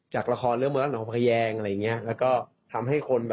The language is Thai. จากฝรั่งจากฝรั่งจากฝรั่ง